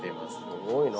すごいな。